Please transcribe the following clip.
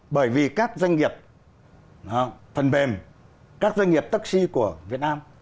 bởi vì các doanh nghiệp thần bềm các doanh nghiệp taxi của việt nam